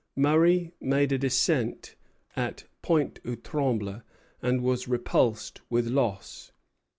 Murray made a descent at Pointe aux Trembles, and was repulsed with loss.